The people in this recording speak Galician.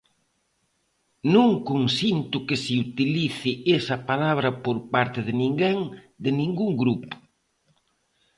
Non consinto que se utilice esa palabra por parte de ninguén de ningún grupo.